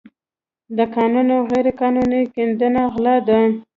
د کانونو غیرقانوني کیندنه غلا ده.